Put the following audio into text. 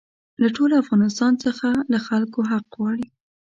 له ټول افغانستان څخه له خلکو حق غواړي.